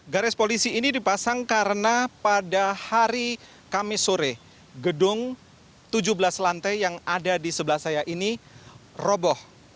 garis polisi ini dipasang karena pada hari kamis sore gedung tujuh belas lantai yang ada di sebelah saya ini roboh